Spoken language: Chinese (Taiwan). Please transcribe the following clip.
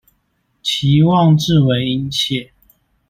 期望至為殷切